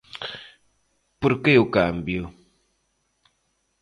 Por que o cambio?